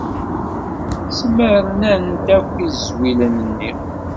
Smernant akk izwilen-nni.